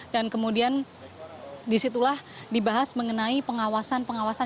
dan kemudian disitulah dibahas mengenai pengawasan pengawasan